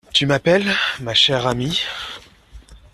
Tu m’appelles ? ma chère amie…